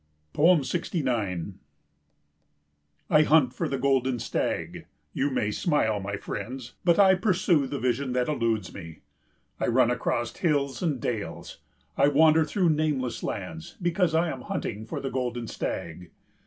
69 I hunt for the golden stag. You may smile, my friends, but I pursue the vision that eludes me. I run across hills and dales, I wander through nameless lands, because I am hunting for the golden stag.